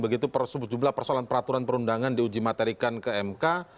begitu sejumlah persoalan peraturan perundangan di uji materikan ke mk